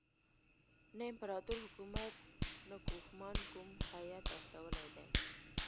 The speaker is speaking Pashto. نه امپراطور حکومت نه کوفمان کوم هیات استولی دی.